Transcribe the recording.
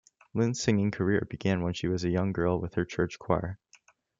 Lynn's singing career began when she was a young girl with her church choir.